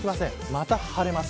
また晴れます。